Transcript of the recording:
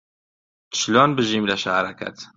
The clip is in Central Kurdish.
چلۆن بژیم لە شارەکەت